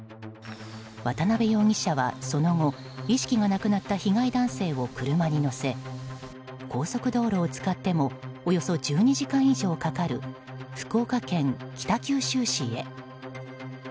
渡辺容疑者はその後意識がなくなった被害男性を車に乗せ高速道路を使ってもおよそ１２時間以上かかる福岡県北九州市へ。